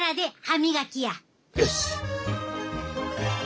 よし。